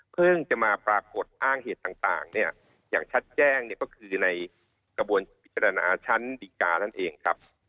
จะมาปรากฏอ้างเหตุต่างเนี่ยอย่างชัดแจ้งก็คือในกระบวนพิจารณาชั้นดีกานั่นเองครับ